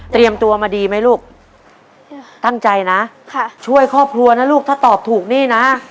ตัวมาดีไหมลูกตั้งใจนะค่ะช่วยครอบครัวนะลูกถ้าตอบถูกนี่นะ